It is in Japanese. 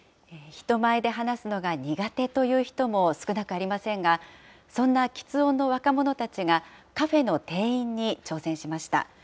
人前で話すのが苦手という人も少なくありませんが、そんなきつ音の若者たちが、カフェの店員に挑戦しました。